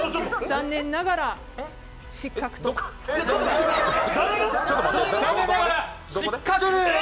残念ながら失格です。